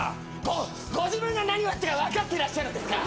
ごご自分が何をやったか分かってらっしゃるんですか？